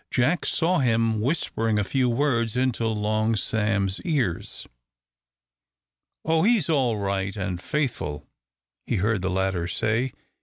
Jack saw him whispering a few words into Long Sam's ears. "Oh, he's all right and faithful!" he heard the latter say.